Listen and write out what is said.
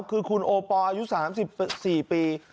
คือคุณโอปอลอายุ๓๔ปี